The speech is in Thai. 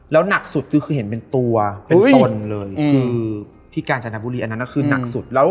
แล้วหนักสุดคือเห็นเป็นตัวเป็นตนเลยคือที่กาญจนบุรีอันนั้นคือหนักสุดแล้ว